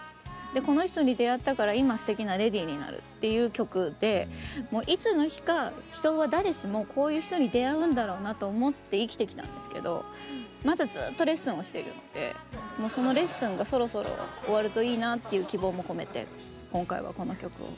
でこの人に出逢ったから今素敵なレディになるっていう曲でいつの日か人は誰しもこういう人に出逢うんだろうなと思って生きてきたんですけどまだずっとレッスンをしてるのでもうそのレッスンがそろそろ終わるといいなっていう希望も込めて今回はこの曲を。